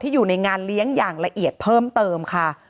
อยู่ในงานเลี้ยงอย่างละเอียดเพิ่มเติมค่ะ